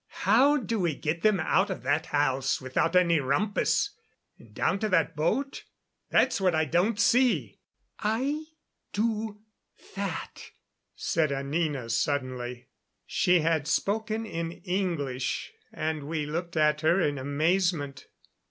How do we get them out of that house without any rumpus, and down to that boat? That's what I don't see." "I do that," said Anina suddenly. She had spoken in English, and we looked at her in amazement.